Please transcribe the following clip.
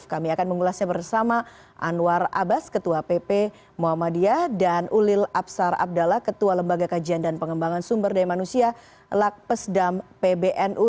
kami akan mengulasnya bersama anwar abbas ketua pp muhammadiyah dan ulil absar abdallah ketua lembaga kajian dan pengembangan sumber daya manusia lak pesdam pbnu